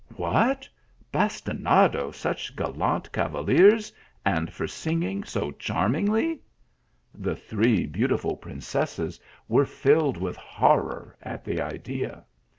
" What, bastinado such gallant cavaliers, and for singing so charmingly !" The thre j beautiful prin cesses were filled with horror at the idea.